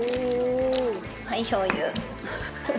はいしょう油。